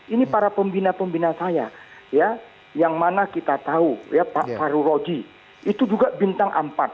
ini para pembina pembina saya ya yang mana kita tahu ya pak faruroji itu juga bintang empat